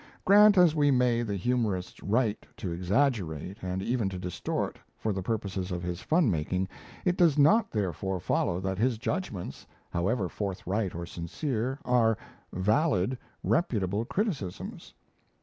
Grant as we may the humorist's right to exaggerate and even to distort, for the purposes of his fun making, it does not therefore follow that his judgments, however forthright or sincere, are valid, reputable criticisms.